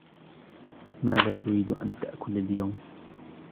ماذا تريد أن تأكل اليوم ؟